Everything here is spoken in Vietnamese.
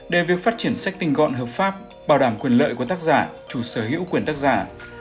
để việc phát triển sách tinh gọn hợp pháp bảo đảm quyền lợi của tác giả chủ sở hữu quyền tác giả